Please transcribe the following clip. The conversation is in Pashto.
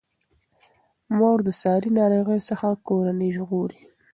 مور د ساري ناروغیو څخه کورنۍ ژغوري.